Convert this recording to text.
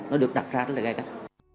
nó được đặt ra rất là gai gắt